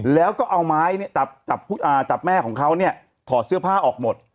แล้วก็เอาไม้จับแม่ของเขาเนี่ยถอดเสื้อผ้าออกหมด